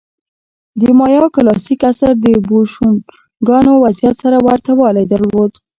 د مایا کلاسیک عصر د بوشونګانو وضعیت سره ورته والی درلود.